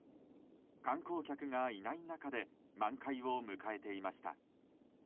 観光客がいない中で満開を迎えていました。